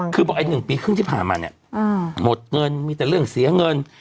คือบอกไอ้๑ปีครึ่งที่ผ่านมาเนี่ยหมดเงินมีแต่เรื่องเสียเงิน